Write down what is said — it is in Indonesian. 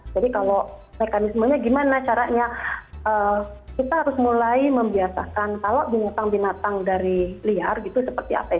jadi kalau mekanismenya gimana caranya kita harus mulai membiaskan kalau binatang binatang dari liar gitu seperti apa ya